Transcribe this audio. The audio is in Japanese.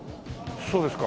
そうですか。